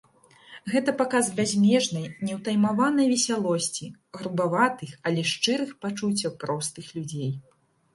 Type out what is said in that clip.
Гэта паказ бязмежнай, неўтаймаванай весялосці, грубаватых, але шчырых пачуццяў простых людзей.